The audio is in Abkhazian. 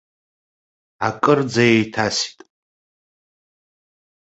Акырӡа еиҭасит!